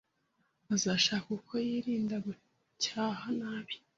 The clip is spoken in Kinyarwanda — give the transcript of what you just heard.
Azashaka uko yirinda gucyaha nabi